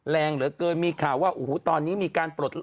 แรงเหลือเกินมีข่าวว่าโอ้โหตอนนี้มีการปลด